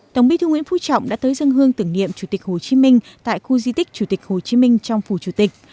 tổng bí thư nguyễn phú trọng đã tới dân hương tưởng niệm chủ tịch hồ chí minh tại khu di tích chủ tịch hồ chí minh trong phủ chủ tịch